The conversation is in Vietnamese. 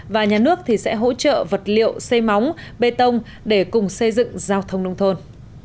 và nhà nước sẽ hỗ trợ vật liệu xây móng bê tông để cùng xây dựng giao thông nông thôn